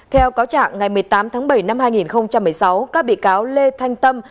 theo cáo trạng ngày một mươi tám tháng bảy năm hai nghìn một mươi sáu các bị cáo lê thanh tâm